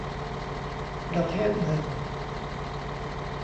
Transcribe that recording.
ประเทศหนึ่ง